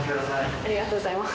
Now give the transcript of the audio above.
ありがとうございます。